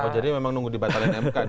jadi memang nunggu dibatalkan mk